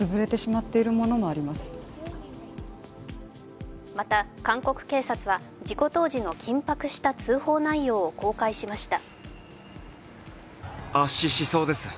また韓国警察は事故当時の緊迫した通報内容を公開しました。